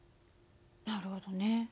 なるほどね。